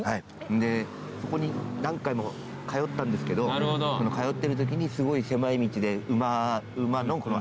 んでそこに何回も通ったんですけど通ってるときにすごい狭い道で。